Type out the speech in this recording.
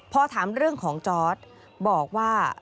พอถามเรื่องของจอร์ดบอกว่า